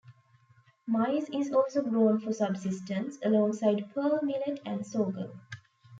Maize is also grown for subsistence, alongside pearl millet and sorghum.